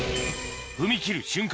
踏み切る瞬間